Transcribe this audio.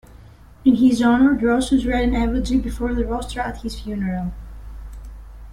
In his honor, Drusus read a eulogy before the rostra at his funeral.